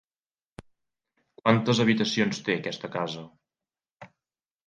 Quantes habitacions té aquesta casa?